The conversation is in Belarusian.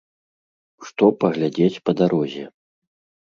Што паглядзець па дарозе?